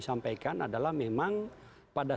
sampaikan adalah memang pada